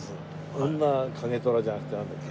『おんな』カゲトラじゃなくてなんだっけ？